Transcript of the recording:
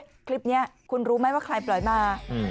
คลิปนี้คุณรู้ไหมว่าใครปล่อยมา